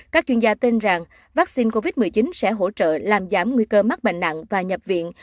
các chuyên gia tin rằng vaccine covid một mươi chín sẽ hỗ trợ làm giảm nguy cơ mắc bệnh nặng và nhập viện